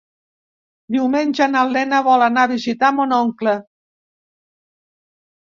Diumenge na Lena vol anar a visitar mon oncle.